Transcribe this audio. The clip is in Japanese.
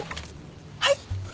はい？